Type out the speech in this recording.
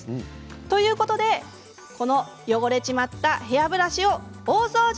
ということでこの汚れちまったヘアブラシを大掃除！